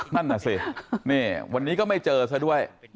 นั่นน่ะสินี่วันนี้ก็ไม่เจอซะด้วย